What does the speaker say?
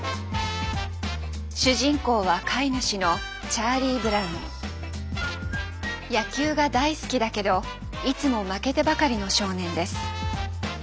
主人公は飼い主の野球が大好きだけどいつも負けてばかりの少年です。